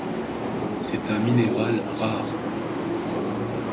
C'est un minéral rare.